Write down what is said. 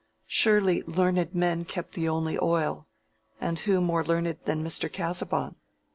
Surely learned men kept the only oil; and who more learned than Mr. Casaubon?